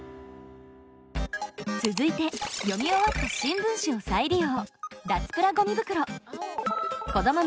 続いて読み終わった新聞紙を再利用。